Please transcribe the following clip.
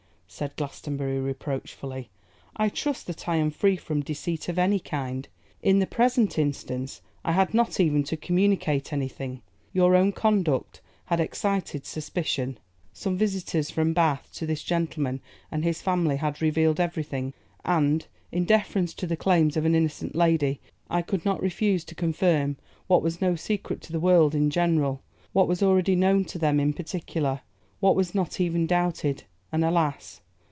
said Glastonbury reproachfully, 'I trust that I am free from deceit of any kind. In the present instance I had not even to communicate anything. Your own conduct had excited suspicion; some visitors from Bath to this gentleman and his family had revealed everything; and, in deference to the claims of an innocent lady, I could not refuse to confirm what was no secret to the world in general, what was already known to them in particular, what was not even doubted, and alas!